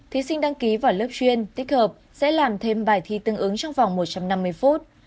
thí sinh đăng ký vào lớp chuyên tích hợp sẽ làm thêm bài thi tương ứng trong vòng một trăm năm mươi phút